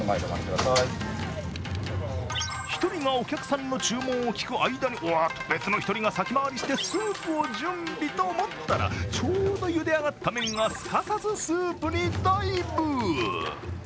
１人がお客さんの注文を聞く間に別の１人が先回りしてスープを準備と思ったらちょうどゆであがった麺がすかさずスープにダイブ。